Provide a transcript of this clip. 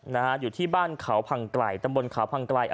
นะฮะอยู่ที่บ้านเขาพังไกลตำบลเขาพังไกล